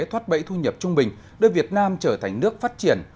thoát bẫy thu nhập trung bình đưa việt nam trở thành nước phát triển